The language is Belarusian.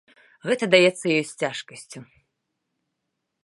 Гэта даецца ёй з цяжкасцю.